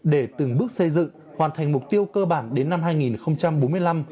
để từng bước xây dựng hoàn thành mục tiêu cơ bản đến năm hai nghìn bốn mươi năm